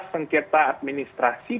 pemilu yang terkasih adalah penggunaan kekuatan